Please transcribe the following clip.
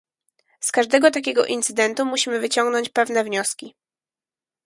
Z każdego takiego incydentu musimy wyciągnąć pewne wnioski